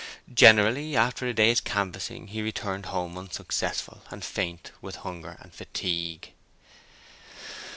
Generally, after a day's canvassing, he returned home unsuccessful and faint with hunger and fatigue.